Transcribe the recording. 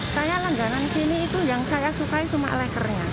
saya langganan sini itu yang saya sukai cuma lekernya